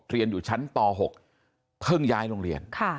เรียนอยู่ชั้นป๖เพิ่งย้ายโรงเรียน